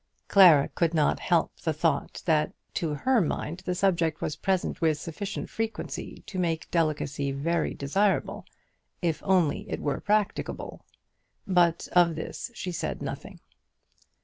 Clara could not help the thought that to her mind the subject was present with sufficient frequency to make delicacy very desirable, if only it were practicable. But of this she said nothing.